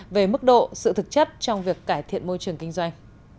về mức độ sự thực chất trong việc cải thiện môi trường kinh doanh